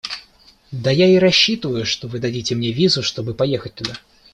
Да я и рассчитываю, что вы дадите мне визу, чтобы поехать туда.